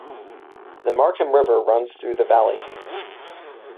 The Markham River runs through the valley.